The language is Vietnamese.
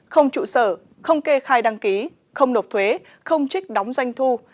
không trụ sở không kê khai đăng ký không nộp thuế không trích đóng doanh thu